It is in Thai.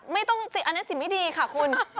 ไม่ต้องอันนั้นสิ่งไม่ดีค่ะคุณ